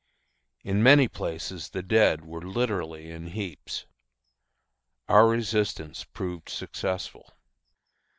In many places the dead were literally in heaps. Our resistance proved successful.